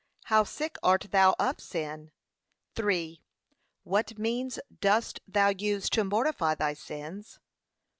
How sick art thou of sin? III. What means dust thou use to mortify thy sins?